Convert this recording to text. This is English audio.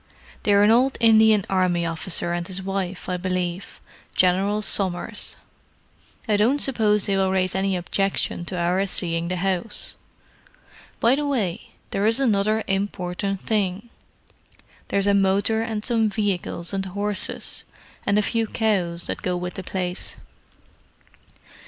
"They're an old Indian Army officer and his wife, I believe; General Somers. I don't suppose they will raise any objection to our seeing the house. By the way, there is another important thing: there's a motor and some vehicles and horses, and a few cows, that go with the place.